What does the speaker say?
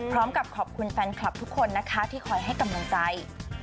พร้อมกับขอบคุณแฟนคลับทุกคนนะคะที่คอยให้กำลังใจ